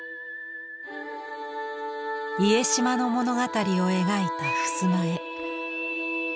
家島の物語を描いた襖絵。